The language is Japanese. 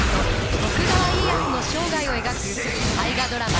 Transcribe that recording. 徳川家康の生涯を描く大河ドラマ